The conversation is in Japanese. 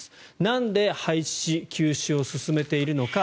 なんで廃止、休止を進めているのか。